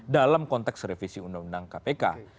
dalam konteks revisi undang undang kpk